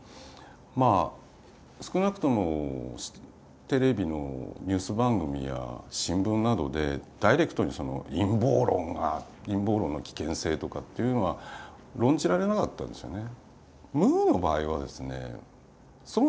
まあ少なくともテレビのニュース番組や新聞などでダイレクトにその陰謀論が陰謀論の危険性とかっていうのは論じられなかったんですよね。